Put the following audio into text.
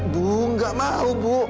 bu gak mau bu